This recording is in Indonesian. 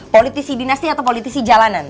politisi dinasti atau politisi jalanan